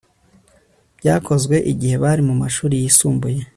byakozwe igihe bari mumashuri yisumbuye